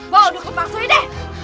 bawa dia ke pangkul ini